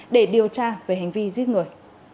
để điều tra về hành vi giết người